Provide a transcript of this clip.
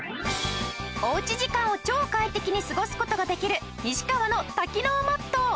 おうち時間を超快適に過ごす事ができる西川の多機能マット！